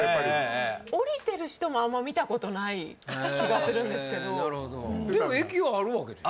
ええええ降りてる人もあんま見たことない気がするんですけどでも駅はあるわけでしょ？